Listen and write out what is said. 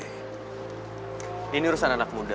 hai ini urusan anak muda